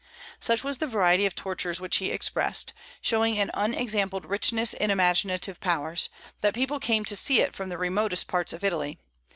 Such was the variety of tortures which he expressed, showing an unexampled richness in imaginative powers, that people came to see it from the remotest parts of Italy.